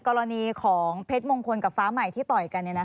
กรณีของเพชรมงคลกับฟ้าใหม่ที่ต่อยกัน